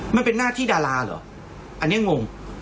มันเป็นหน้าที่ดาราเหรออันนี้งง